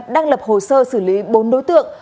đang lập hồ sơ xử lý bốn đối tượng